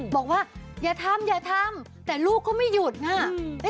บอกว่าอย่าทำอย่าทำแต่ลูกก็ไม่หยุดน่ะ